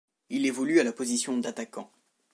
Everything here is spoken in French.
Il évolue à la position d'attaquant.